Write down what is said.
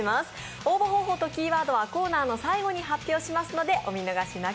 応募方法とキーワードはコーナーの最後に発表しますのでお見逃しなく。